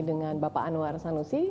dengan bapak anwar sanusi